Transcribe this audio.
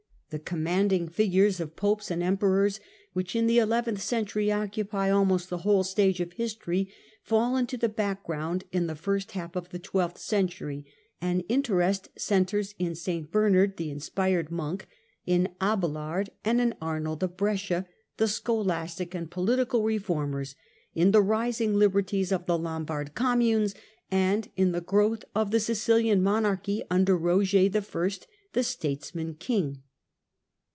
The commanding figures of Popes and Emperors, which in the eleventh century occupy almost the whole stage of history, fall into the background in the first half of the twelfth century, and interest centres in St Bernard, the inspired monk, in Abelard and Arnold of Brescia, the scholastic and political reformers, in the rising liberties of the Lombard communes, and in the growth of the Sicilian monarchy under Koger I., the statesman king.